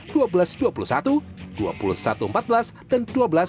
dua puluh satu empat belas dan dua belas dua puluh satu